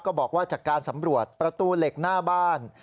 บอกว่าจากการสำรวจประตูเหล็กหน้าบ้าน